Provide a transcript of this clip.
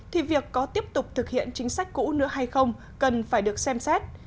thì việc có tiếp tục thực hiện chính sách cũ nữa hay không cần phải được xem xét